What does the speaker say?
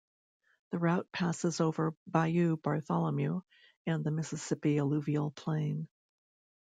The route passes over Bayou Bartholomew and the Mississippi Alluvial Plain.